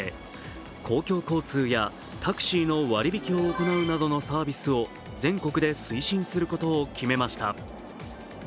公共交通やタクシーの割引を行うなどのサービスを全国で推進することを決めました。